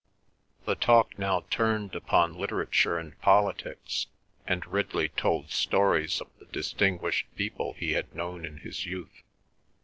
The talk now turned upon literature and politics, and Ridley told stories of the distinguished people he had known in his youth.